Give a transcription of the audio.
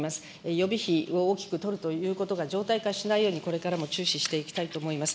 予備費を大きく取るということが常態化しないようにこれからも注視していきたいと思います。